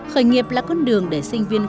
khởi nghiệp là con đường để sinh viên